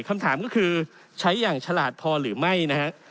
คำถามก็คือใช้อย่างฉลาดพอหรือไม่นะฮะ